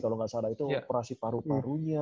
kalau nggak salah itu operasi paru parunya